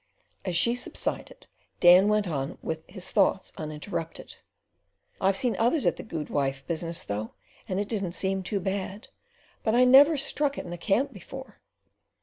As she subsided Dan went on with his thoughts uninterrupted: "I've seen others at the guidwife business, though, and it didn't seem too bad, but I never struck it in a camp before.